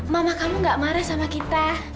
mama kamu gak marah sama kita